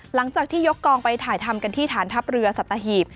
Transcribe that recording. หลังจากที่ยกกองไปถ่ายทำกันที่ฐานทัพเรือสัตหีบ